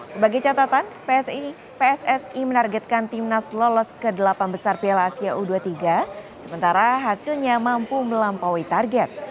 sebagai catatan pssi menargetkan timnas lolos ke delapan besar piala asia u dua puluh tiga sementara hasilnya mampu melampaui target